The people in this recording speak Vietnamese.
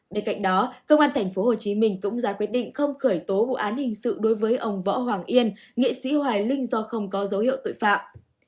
bên cạnh đó công an tp hcm cũng ra quyết định không khởi tố vụ án hình sự đối với ông võ hoàng yên nghệ sĩ hoài linh do không có dấu hiệu tội phạm